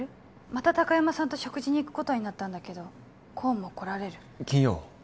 また高山さんと食事に行くことになったんだけど功も来られる？